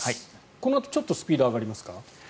このあとちょっとスピード上がりますか？